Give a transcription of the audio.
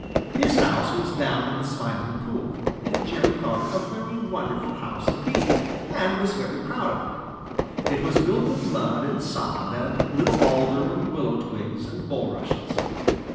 His house was down in the Smiling Pool, and Jerry thought it a very wonderful house indeed, and was very proud of it. It was built of mud and sod and little alder and willow twigs and bulrushes.